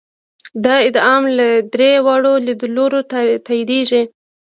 دا ادعا له درې واړو لیدلورو تاییدېږي.